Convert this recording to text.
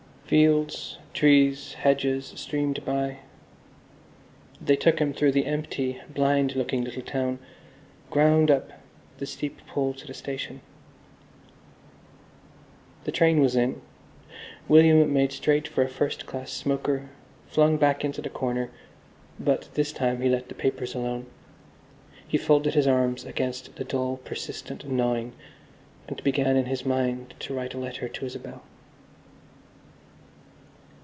Fields, trees, hedges streamed by. They shook through the empty, blind looking little town, ground up the steep pull to the station. The train was in. William made straight for a first class smoker, flung back into the corner, but this time he let the papers alone. He folded his arms against the dull, persistent gnawing, and began in his mind to write a letter to Isabel.